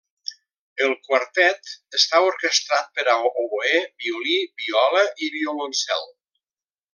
El quartet està orquestrat per a oboè, violí, viola i violoncel.